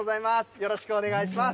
よろしくお願いします。